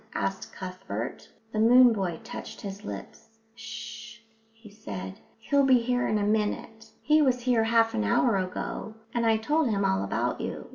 asked Cuthbert. The moon boy touched his lips. "H'shh," he said. "He'll be here in a minute. He was here half an hour ago, and I told him all about you."